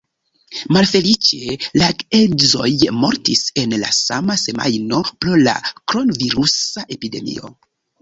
Malfeliĉe, la geedzoj mortis en la sama semajno pro la kronvirusa epidemio.